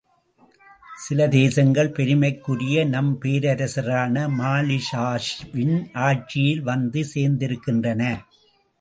சில தேசங்கள், பெருமைக்குரிய நம் பேரரசரான மாலிக்ஷாவின் ஆட்சியில் வந்து சேர்ந்திருக்கின்றன.